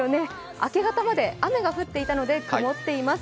明け方まで雨が降っていたので曇っています。